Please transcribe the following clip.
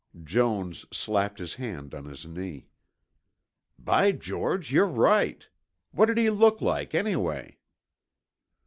Jones slapped his hand on his knee. "By George, you're right. What did he look like, anyway?"